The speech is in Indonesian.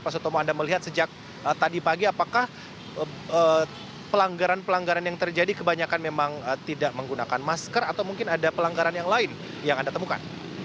pak sutomo anda melihat sejak tadi pagi apakah pelanggaran pelanggaran yang terjadi kebanyakan memang tidak menggunakan masker atau mungkin ada pelanggaran yang lain yang anda temukan